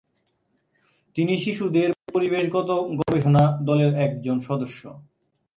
তিনি শিশুদের পরিবেশগত গবেষণা দলের একজন সদস্য।